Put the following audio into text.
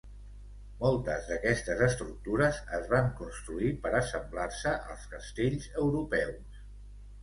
Moltes d'aquestes estructures es van construir per a semblar-se als castells europeus.